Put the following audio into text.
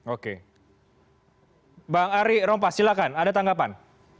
oke mbak ari rompas silakan ada tanggapan